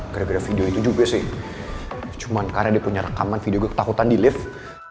gara gara video itu juga sih cuman karena dia punya rekaman video ketakutan di lift